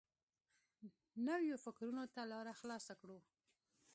نویو فکرونو ته لاره خلاصه کړو.